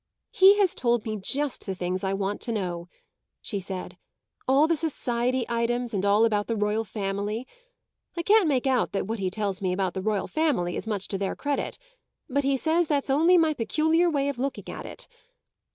"He has told me just the things I want to know," she said; "all the society items and all about the royal family. I can't make out that what he tells me about the royal family is much to their credit; but he says that's only my peculiar way of looking at it.